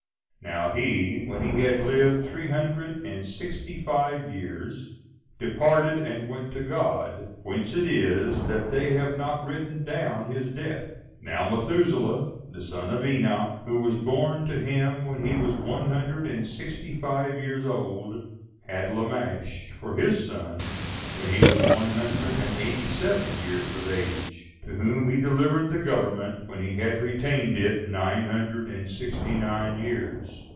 Now he, when he had lived three hundred and sixty five years, departed and went to God; whence it is that they have not written down his death. Now Mathusela, the son of Enoch, who was born to him when he was one hundred and sixty five years old, had Lamech for his son when he was one hundred and eighty seven years of age; to whom he delivered the government, when he had retained it nine hundred and sixty nine years.